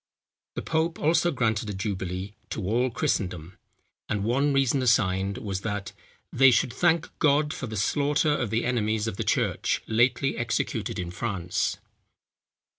The pope also granted a jubilee to all Christendom, and one reason assigned was, that they should thank God for the slaughter of the enemies of the church, lately executed in France.